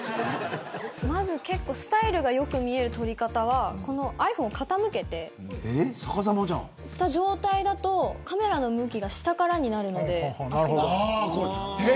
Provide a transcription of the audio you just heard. まずスタイルがよく見える撮り方はｉＰｈｏｎｅを傾けてこの状態だと、カメラの向きが下からになるので。